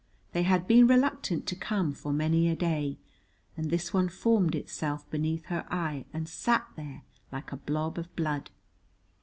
They had been reluctant to come for many a day, and this one formed itself beneath her eye and sat there like a blob of blood.